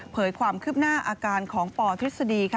ความคืบหน้าอาการของปทฤษฎี